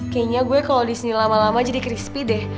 kayaknya gue kalau disini lama lama jadi crispy deh